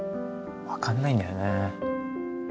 分かんないんだよね。